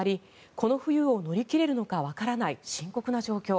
この冬を乗り切れるのかわからない深刻な状況